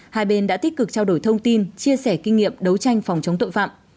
hai bên đã tích cực trao đổi thông tin chia sẻ kinh nghiệm đấu tranh phòng chống tội phạm